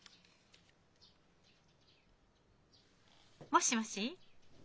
もしもし？